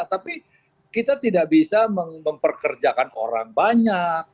tapi kita tidak bisa memperkerjakan orang banyak